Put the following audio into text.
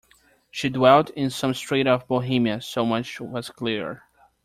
She dwelt in some street of Bohemia; so much was clear.